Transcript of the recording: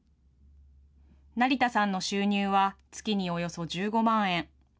成田さんの収入は月におよそ１５万円。